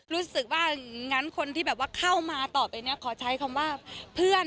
รู้สึกว่างั้นคนที่แบบว่าเข้ามาต่อไปเนี่ยขอใช้คำว่าเพื่อน